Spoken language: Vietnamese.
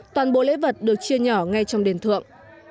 toàn bộ lễ vật được chia nhỏ ngay trong đền thượng